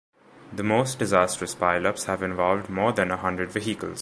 The most disastrous pile-ups have involved more than a hundred vehicles.